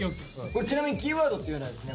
ちなみにキーワードというのはですね